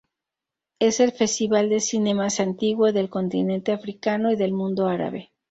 Es el festival de cine más antiguo del continente africano y del mundo árabe.